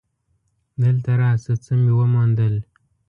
دلته راشه څه مې وموندل.